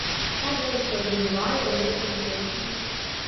Так заўсёды бывае ў гэтым свеце.